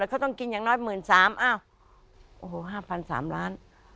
เขาต้องกินอย่างน้อยหมื่นสามเอ้าโอ้โหห้าพันสามล้าน